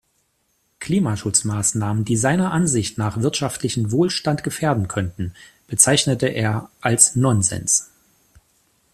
Klimaschutzmaßnahmen, die seiner Ansicht nach wirtschaftlichen Wohlstand gefährden könnten, bezeichnete er als "Nonsens".